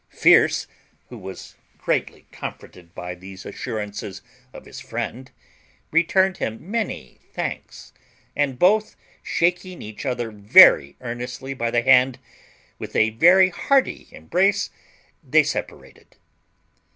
Fierce, who was greatly comforted by these assurances of his friend, returned him many thanks, and, both shaking each other very earnestly by the hand, with a very hearty embrace they separated.